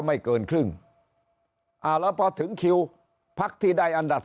ไม่เกินครึ่งอร่อยพอถึงคิวภรรยาที่ได้อันดับ๓